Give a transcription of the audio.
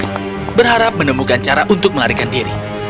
the big berharap menemukan cara untuk melarikan diri